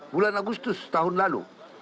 bulan agustus tahun lalu